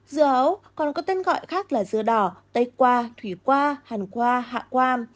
dưa hấu còn có tên gọi khác là dưa đỏ tây qua thủy qua hàn qua hạ qua